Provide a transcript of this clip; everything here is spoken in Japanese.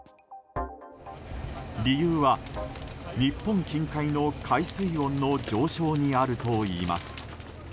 理由は、日本近海の海水温の上昇にあるといいます。